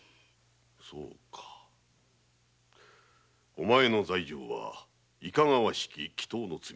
そうかお前の罪状はいかがわしき祈祷の罪。